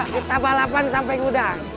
kita balapan sampai gudang